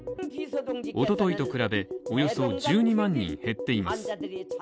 おとといと比べ、およそ１２万に減っています。